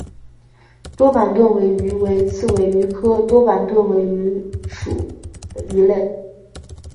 多板盾尾鱼为刺尾鱼科多板盾尾鱼属的鱼类。